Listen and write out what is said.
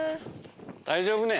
大丈夫ね？